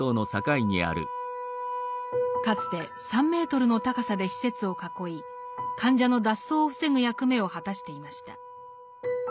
かつて３メートルの高さで施設を囲い患者の脱走を防ぐ役目を果たしていました。